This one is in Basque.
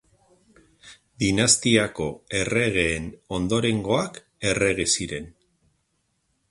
Dinastiako erregeen ondorengoak errege ziren.